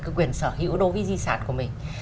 cái quyền sở hữu đối với di sản của mình